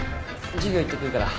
授業行ってくるから。